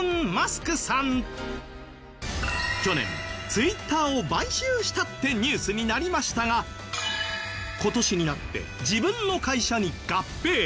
去年Ｔｗｉｔｔｅｒを買収したってニュースになりましたが今年になって自分の会社に合併。